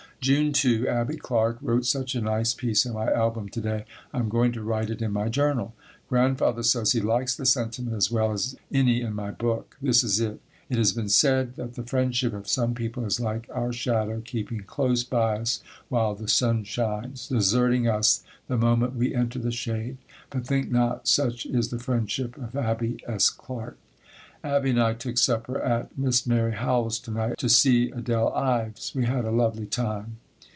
June 2. Abbie Clark wrote such a nice piece in my album to day I am going to write it in my journal. Grandfather says he likes the sentiment as well as any in my book. This is it: "It has been said that the friendship of some people is like our shadow, keeping close by us while the sun shines, deserting us the moment we enter the shade, but think not such is the friendship of Abbie S. Clark." Abbie and I took supper at Miss Mary Howell's to night to see Adele Ives. We had a lovely time.